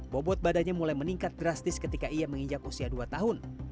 bobot badannya mulai meningkat drastis ketika ia menginjak usia dua tahun